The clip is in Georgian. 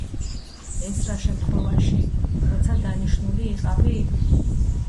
ეს რა შემთხვევაში, როცა დანიშნული იყავი?